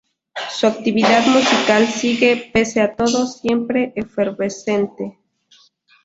Su actividad musical sigue, pese a todo, siempre efervescente.